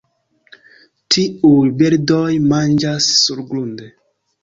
Tiuj birdoj manĝas surgrunde.